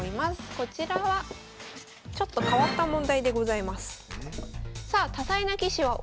こちらはちょっと変わった問題でございます。